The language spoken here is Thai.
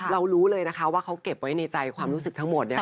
รู้เลยนะคะว่าเขาเก็บไว้ในใจความรู้สึกทั้งหมด